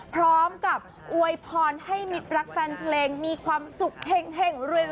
พร้อมกับอวยพรให้มิตรรักแฟนเพลงมีความสุขเห็ง